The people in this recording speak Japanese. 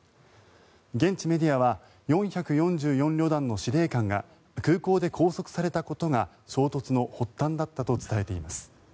現地メディアは４４４旅団の司令官が空港で拘束されたことが衝突の発端だったと伝えています。